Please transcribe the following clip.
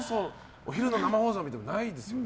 お昼の生放送ってないですよね。